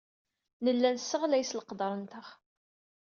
Nella nesseɣlay s leqder-nteɣ.